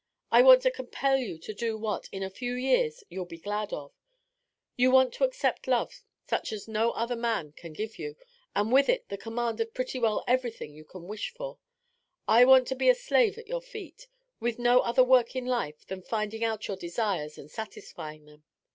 I want to compel you to do what, in a few years, you'll be glad of. I want you to accept love such as no other man can give you, and with it the command of pretty well everything you can wish for. I want to be a slave at your feet, with no other work in life than finding out your desires and satisfying them.